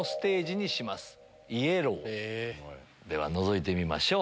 ではのぞいてみましょう。